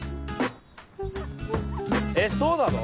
えっそうなの？